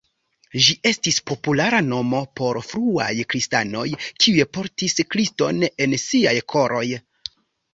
Ĝi estis populara nomo por fruaj kristanoj kiuj "portis Kriston en siaj koroj.